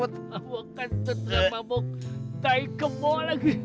mabok kentut gak mabok kain kemo lagi